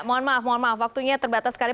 mohon maaf mohon maaf waktunya terbatas sekali